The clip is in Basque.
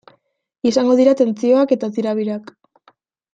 Izango dira tentsioak eta tirabirak.